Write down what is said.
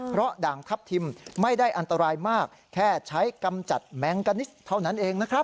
เพราะด่างทัพทิมไม่ได้อันตรายมากแค่ใช้กำจัดแมงกานิสเท่านั้นเองนะครับ